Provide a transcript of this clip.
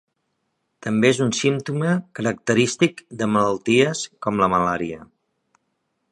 També és un símptoma característic de malalties com la malària.